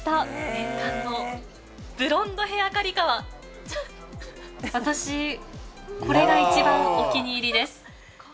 念願のブロンドヘア刈川、私、これが一番お気に入りです。